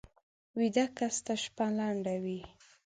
ویده کس ته شپه لنډه وي